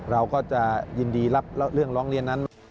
เราก็จะยินดีรับเรื่องร้องเรียนนั้น